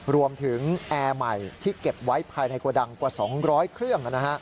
แอร์ใหม่ที่เก็บไว้ภายในโกดังกว่า๒๐๐เครื่อง